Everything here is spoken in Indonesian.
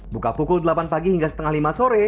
buka pukul delapan pagi hingga setengah lima sore